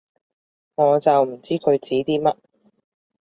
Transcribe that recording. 我就唔知佢指啲乜